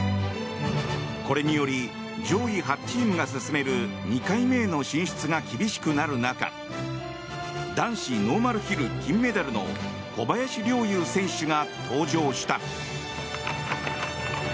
これにより上位８チームが進める２回目への進出が厳しくなる中男子ノーマルヒル金メダルの小林陵侑選手が登場した。